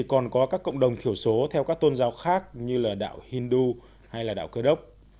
còn có các cộng đồng thiểu số theo các tôn giáo khác như là đạo hindu hay là đạo cơ đốc